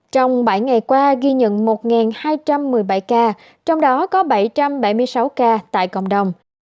trong bảy ngày qua ghi nhận một hai trăm một mươi bảy ca trong đó có bảy trăm bảy mươi sáu ca tại cộng đồng